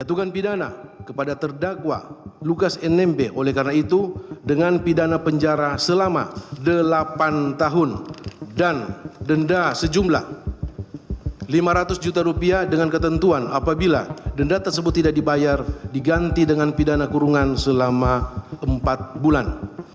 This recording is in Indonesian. terima kasih kepada terdakwa lukas nmb oleh karena itu dengan pidana penjara selama delapan tahun dan denda sejumlah lima ratus juta rupiah dengan ketentuan apabila denda tersebut tidak dibayar diganti dengan pidana kurungan selama empat bulan